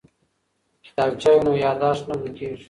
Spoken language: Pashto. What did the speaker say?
که کتابچه وي نو یادښت نه ورکیږي.